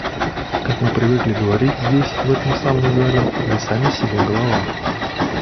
Как мы привыкли говорить здесь, в этом самом зале, "мы сами себе голова".